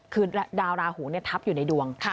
คือดาวราหูทับอยู่ในดวง